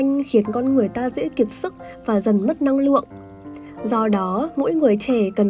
mình có thêm đường cây